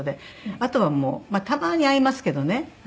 あとはもうたまに会いますけどね。